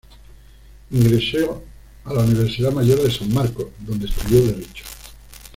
Ingresó a la Universidad Mayor de San Marcos, donde estudió Derecho.